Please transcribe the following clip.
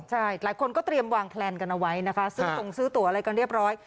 ใช่หลายคนก็เตรียมวางแพลนกันเอาไว้นะคะซื้อตรงซื้อตัวอะไรกันเรียบร้อย